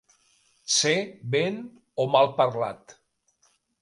Ser ben o mal parlat.